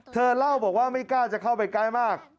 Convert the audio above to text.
เธอเล่าบอกว่าไม่กล้าจะเข้าไปใกล้มาก